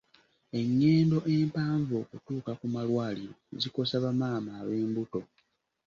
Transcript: Engendo empanvu okutuuka ku malwaliro zikosa ba maama ab'embuto.